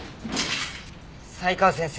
才川先生